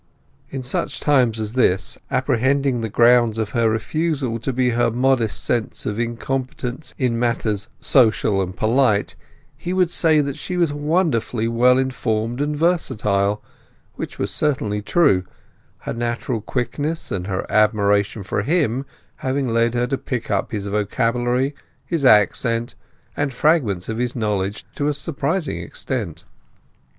At such times as this, apprehending the grounds of her refusal to be her modest sense of incompetence in matters social and polite, he would say that she was wonderfully well informed and versatile—which was certainly true, her natural quickness and her admiration for him having led her to pick up his vocabulary, his accent, and fragments of his knowledge, to a surprising extent.